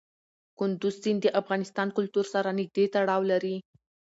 کندز سیند د افغان کلتور سره نږدې تړاو لري.